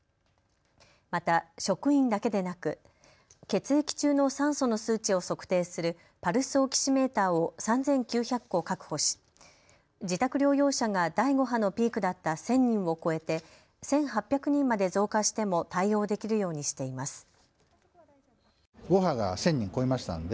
また職員だけでなく血液中の酸素の数値を測定するパルスオキシメーターを３９００個確保し、自宅療養者が第５波のピークだった１０００人を超えて１８００人まで増加しても対応できるようにしています。